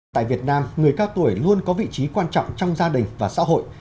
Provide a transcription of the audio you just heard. tại việt nam người cao tuổi luôn có vị trí quan trọng trong gia đình và xã hội